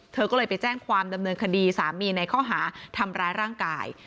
เธอก็เลยไปแจ้งความดำเนินคดีสามีในข้อหาทำร้ายร่างกาย